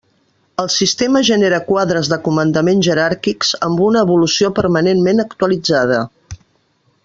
El sistema genera quadres de comandament jeràrquics amb una evolució permanentment actualitzada.